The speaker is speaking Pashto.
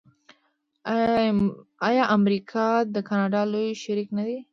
آیا امریکا د کاناډا لوی شریک نه دی؟